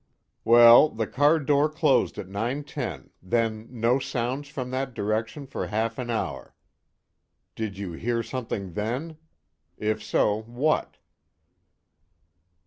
"Well the car door closed at 9:10, then no sounds from that direction for half an hour. You did hear something then? If so, what?"